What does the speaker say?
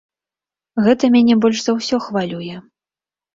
Гэта мяне больш за ўсё хвалюе.